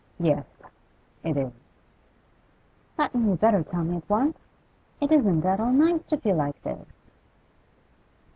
'Yes, it is.' 'Hadn't you better tell me at once? It isn't at all nice to feel like this.